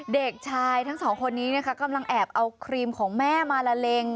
เด็กชายทั้งสองคนนี้นะคะกำลังแอบเอาครีมของแม่มาละเลง